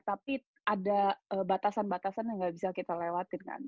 tapi ada batasan batasan yang nggak bisa kita lewatin kan